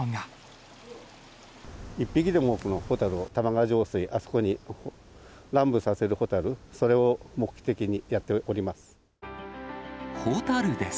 一匹でも多くのホタルを、玉川上水、あそこに乱舞させる蛍、それを目的にやっております。